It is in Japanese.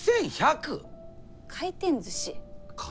回転ずし。